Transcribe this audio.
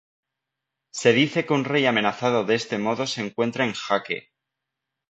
Se dice que un rey amenazado de este modo se encuentra "en jaque".